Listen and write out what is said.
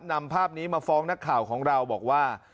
นำภาพนี้มาฟ้องนักข่าวของเราบอกว่า